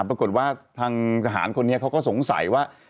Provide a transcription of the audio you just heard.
ปรากฏว่าทางทหารคนนี้เขาก็สงสัยว่า